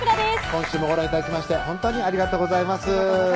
今週もご覧頂きましてほんとにありがとうございます